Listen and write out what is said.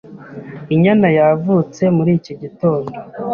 Inyana yavutse muri iki gitondo.